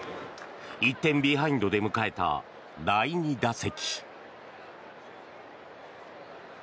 １点ビハインドで迎えた第２打席。